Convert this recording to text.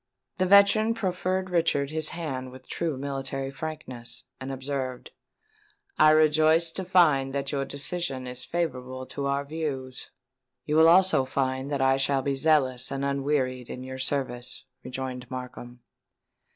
The veteran proffered Richard his hand with true military frankness, and observed, "I rejoice to find that your decision is favourable to our views." "You will also find that I shall be zealous and unwearied in your service," rejoined Markham.